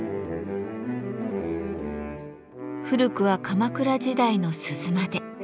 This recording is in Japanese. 古くは鎌倉時代の鈴まで。